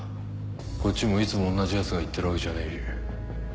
こっちもいつもおんなじやつが行ってるわけじゃねえし。